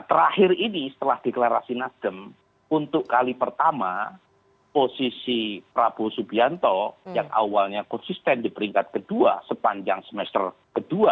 nah terakhir ini setelah deklarasi nasdem untuk kali pertama posisi prabowo subianto yang awalnya konsisten di peringkat ke dua sepanjang semester ke dua dua ribu dua puluh dua